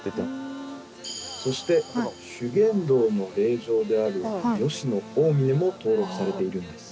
そして修験道の霊場である吉野大峯も登録されているんです。